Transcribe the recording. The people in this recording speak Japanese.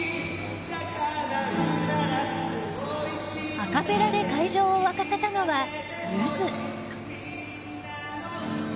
アカペラで会場を沸かせたのはゆず。